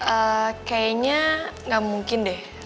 eh kayaknya gak mungkin deh